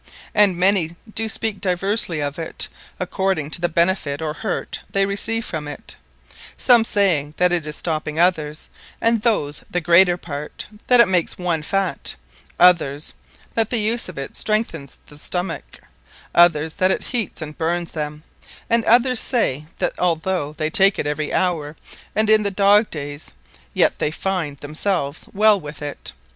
And many doe speake diversly of it, according to the benefit, or hurt, they receive from it: Some saying, that it is stopping: Others, and those the greater part, that it makes one fat: Others, that the use of it strengthens the stomacke: Others, that it heates, and burns them: And others say, that although they take it every houre, and in the Dogdayes, yet they finde themselves well with it.